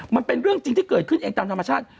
มันเป็นเรื่องจริงที่เกิดขึ้นเองตามธรรมชาติ